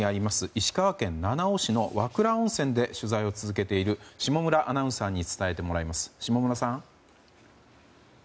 石川県七尾市の和倉温泉で取材を続けている下村アナウンサーに伝えてもらいます、下村さん。